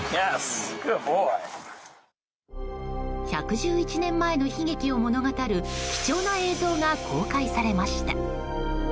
１１１年前の悲劇を物語る貴重な映像が公開されました。